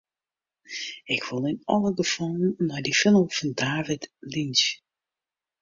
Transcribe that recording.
Ik wol yn alle gefallen nei dy film fan David Lynch.